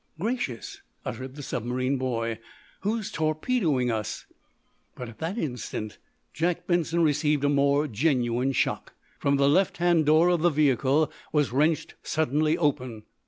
"Gracious!" uttered the submarine boy. "Who's torpedoing us?" But, at that instant, Jack Benson received a more genuine shock. For the left hand door of the vehicle was wrenched suddenly open.